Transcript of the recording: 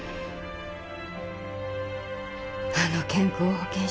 あの健康保険証。